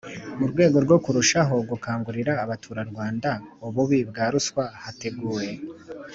Mu rwego rwo kurushaho gukangurira Abaturarwanda ububi bwa ruswa hateguwe